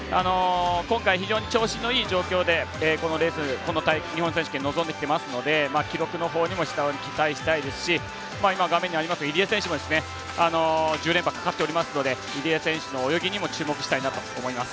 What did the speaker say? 今回、非常に調子のいい状況でこのレース、日本選手権に臨んできていますので記録のほうにも期待したいですし入江選手も１０連覇かかっておりますので入江選手の泳ぎにも注目したいなと思います。